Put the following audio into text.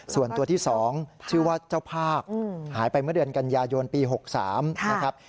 ส่วนตัวที่๒ชื่อว่าเจ้าภาพหายไปเมื่อเดือนกันยายนปี๖๓นะครับ